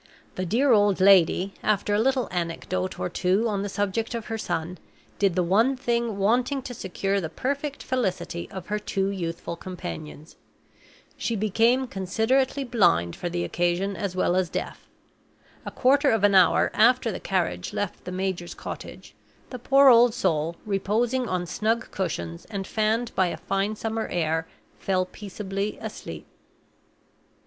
The dear old lady, after a little anecdote or two on the subject of her son, did the one thing wanting to secure the perfect felicity of her two youthful companions: she became considerately blind for the occasion, as well as deaf. A quarter of an hour after the carriage left the major's cottage, the poor old soul, reposing on snug cushions, and fanned by a fine summer air, fell peaceably asleep.